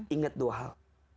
ingat dua hal